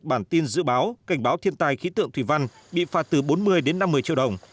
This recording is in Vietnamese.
chuyển phát sai lệch bản tin dự báo cảnh báo thiên tài khí tượng thủy văn bị phạt từ bốn mươi đến năm mươi triệu đồng